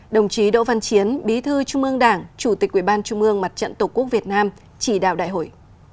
đồng chí đỗ văn chiến bí thư trung ương đảng chủ tịch quỹ ban trung ương mặt trận tổ quốc việt nam chỉ đạo đại hội